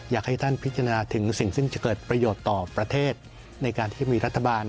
อยากให้ท่านพิจารณาถึงสิ่งซึ่งจะเกิดประโยชน์ต่อประเทศในการที่มีรัฐบาล